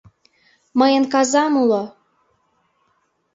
Мыйын казам уло!